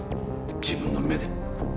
自分の目で。